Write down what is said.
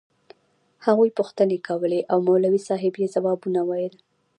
هغوى پوښتنې کولې او مولوي صاحب يې ځوابونه ويل.